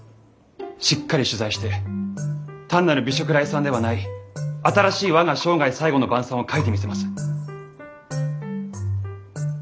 しっかり取材して単なる美食礼賛ではない新しい「我が生涯最後の晩餐」を書いてみせます。